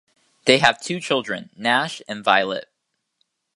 They have two children, Nash and Violet.